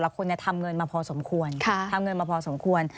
คนนี้พอละคนเนี่ยทำเงินมาพอสมควร